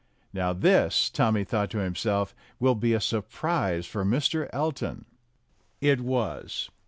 "Now this," Tommy thought to himself, "will be a surprise for Mr. Elton." It was.